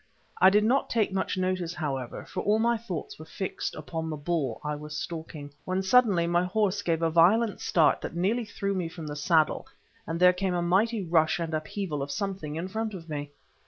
I did not take much notice, however, for all my thoughts were fixed upon the bull I was stalking, when suddenly my horse gave a violent start that nearly threw me from the saddle, and there came a mighty rush and upheaval of something in front of me.